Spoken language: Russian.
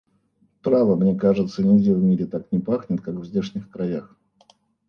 Право, мне кажется, нигде в мире так не пахнет, как в здешних краях!